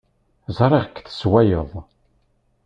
Ẓriɣ-k tessewwayeḍ.